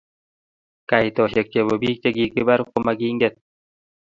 kaitoshek chebo biik chekikibar komakinget